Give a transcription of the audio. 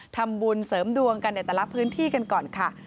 ทำบุญเสริมดวงกันในแต่ละพื้นที่กันก่อนค่ะ